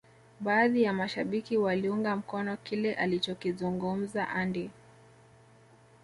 baadhi ya mashabiki waliunga mkono kile alichokizungumza Andy